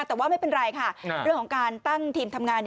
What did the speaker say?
แต่ว่าไม่เป็นไรค่ะเรื่องของการตั้งทีมทำงาน